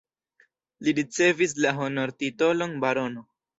Li ricevis la honortitolon barono.